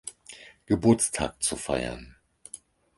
Geburtstag zu feiern.